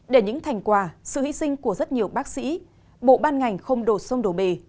để những thành quả sự hy sinh của rất nhiều bác sĩ bộ ban ngành không đổ xôm đổ bề